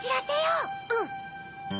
うん。